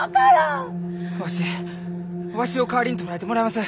わしわしを代わりに捕らえてもらいます。